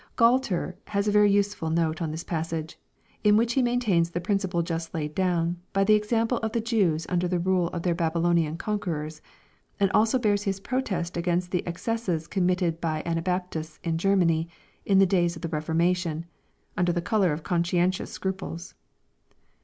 Gualter has a very useful note on this passage, in which he maintains the principle just laid down by the example of the Jews under the rule of their Babylonian conquerors, and also bears his protest against the excesses committed by Anabaptists in Q er many, in the days of the Reformation, under the color of consci entious scruples.